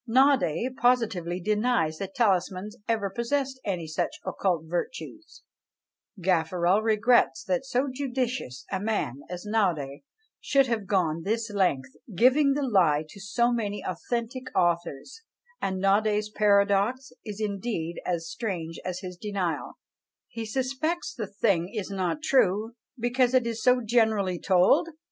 Naudé positively denies that talismans ever possessed any such occult virtues: Gaffarel regrets that so judicious a man as Naudé should have gone this length, giving the lie to so many authentic authors; and Naudé's paradox is indeed as strange as his denial; he suspects the thing is not true because it is so generally told!